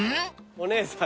お姉さん。